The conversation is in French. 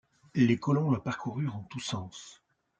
Les colons la parcoururent en tous sens.